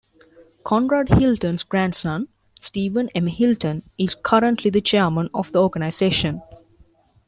Conrad Hilton's grandson Steven M. Hilton is currently the Chairman of the organization.